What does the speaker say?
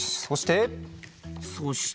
そして？